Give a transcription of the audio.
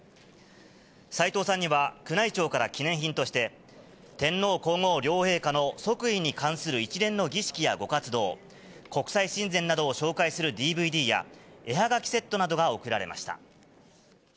斉藤さんには宮内庁から記念品として、天皇皇后両陛下の即位に関する一連の儀式やご活動、国際親善などを紹介するＤＶＤや、絵はがきセットなどが贈られました。